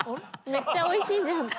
めっちゃおいしいじゃんって。